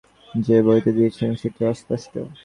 যে বইটি দিয়েছেন সেটি অস্পষ্ট।